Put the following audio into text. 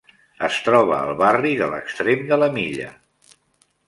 Es troba al barri de l'extrem de la milla.